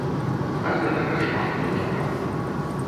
А гэтага шмат хто чакаў.